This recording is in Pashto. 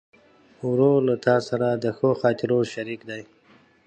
ورور له تا سره د ښو خاطرو شریک دی.